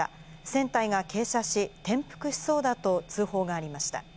船体が傾斜し、転覆しそうだと通報がありました。